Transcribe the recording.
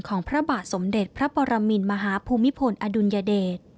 พระบาทสมเด็จพระปรมินมหาภูมิพลอดุลยเดช